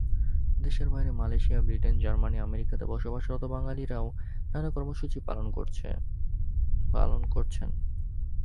দেশের বাইরে Malaysia, Britain, Germany, আমেরিকাতে বসবাসরত বাঙালিরাও নানা কর্মসূচি পালন করেছেন।